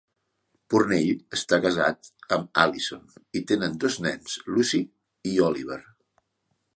Purnell està casat amb Alison i tenen dos nens, Lucy i Oliver.